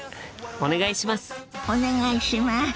お願いします。